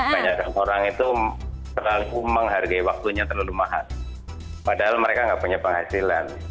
banyak orang itu terlalu menghargai waktunya terlalu mahal padahal mereka nggak punya penghasilan